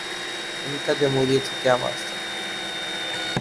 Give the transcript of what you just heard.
ان کا جمہوریت سے کیا واسطہ۔